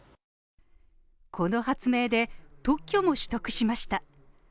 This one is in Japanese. この発明で、特許も取得しました。